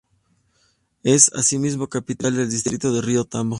Es asimismo capital del distrito de Río Tambo.